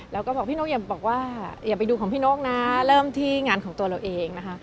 แล้วก็บอกพี่นกอย่าบอกว่าอย่าไปดูของพี่นกนะเริ่มที่งานของตัวเราเองนะคะ